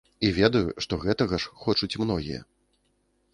І ведаю, што гэтага ж хочуць многія.